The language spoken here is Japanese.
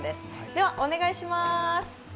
ではお願いします。